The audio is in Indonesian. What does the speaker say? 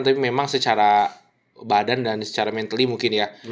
tapi memang secara badan dan secara mentally mungkin ya